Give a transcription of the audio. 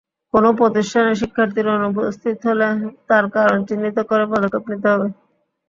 কোনো প্রতিষ্ঠানে শিক্ষার্থী অনুপস্থিত হলে তার কারণ চিহ্নিত করে পদক্ষেপ নিতে হবে।